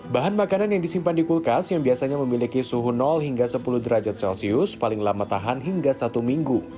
bahan makanan yang disimpan di kulkas yang biasanya memiliki suhu hingga sepuluh derajat celcius paling lama tahan hingga satu minggu